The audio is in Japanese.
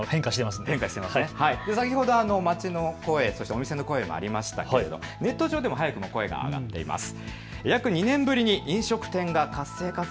先ほど街の声、お店の声もありましたがネット上でも早くも声が上がっています。